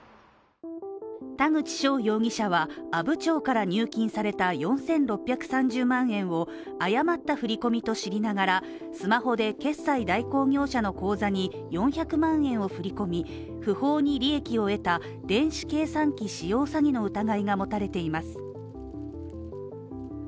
田口翔容疑者は阿武町から入金された４６３０万円を誤った振り込みと知りながらスマホで決済代行業者の口座に４００万円を振り込み、不法に利益を得た電子計算機使用詐欺の疑いが持たれています。